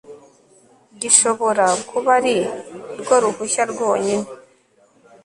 gishobora kuba ari rwo ruhushya rwonyine